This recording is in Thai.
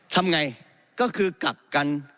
ทำไงก็คือกักกัน